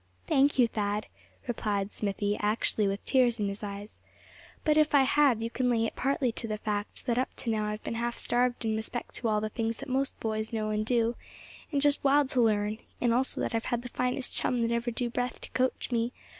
"Thank you, Thad," replied Smithy, actually with tears in his eyes; "but if I have, you can lay it partly to the fact that up to now I've been half starved in respect to all the things that most boys know and do, and just wild to learn; and also that I've had the finest chum that ever drew breath to coach me.